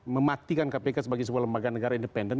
mematikan kpk sebagai sebuah lembaga negara independen